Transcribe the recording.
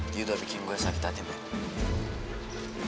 dia udah bikin gue sakit hati pak